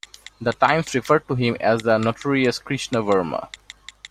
"The Times" referred to him as the "Notorious Krishnavarma".